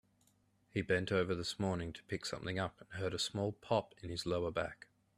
He bent over this morning to pick something up and heard a small pop in his lower back.